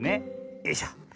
よいしょ。